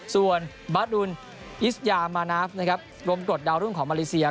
ส่วนบารุนอิสยามานาฟรมกฎดาวรุ่นของมาเลเซีย